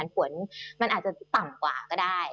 ฝนมันอาจจะต่ำกว่าก็ได้